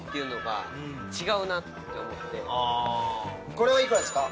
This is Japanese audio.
これは幾らですか？